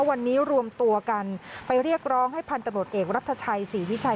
วันนี้รวมตัวกันไปเรียกร้องให้พันธุ์ตำรวจเอกรัฐชัยศรีวิชัย